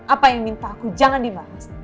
apa yang minta aku jangan dibahas